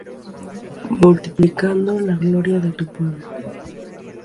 Multiplicando la gloria de tu pueblo.